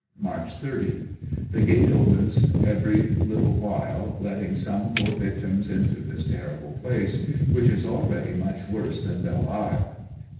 March 80. — The gate opens every little while letting some poor victims into this terrible place, which is already much worse than Belle Isle.